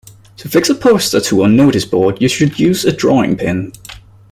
To fix a poster to a noticeboard you should use a drawing pin